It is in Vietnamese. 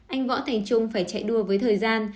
anh võ thành trung phải chạy đua với thời gian